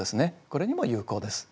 これにも有効です。